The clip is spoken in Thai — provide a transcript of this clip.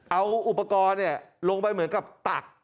เอาอุปกรณ์ลงไปเหมือนกับตัก